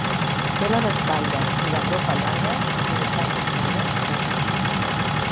Té les espatlles i la gropa llargues i la part posterior curta.